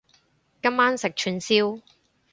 今晚食串燒